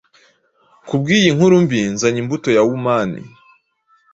Kubwiyi nkuru mbi nzanye, imbuto ya Womani